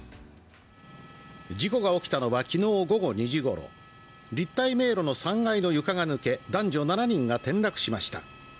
事故が起きたのは昨日午後２時頃立体迷路の３階の床が抜け、男女７人が転落しました。